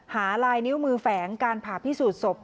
ลายนิ้วมือแฝงการผ่าพิสูจนศพ